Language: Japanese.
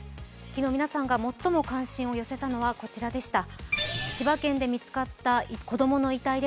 昨日、皆さんが最も関心を寄せたのはこちらでした。